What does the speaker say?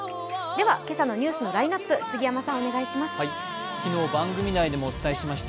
では今朝のニュースのラインナップ、杉山さん、お願いします。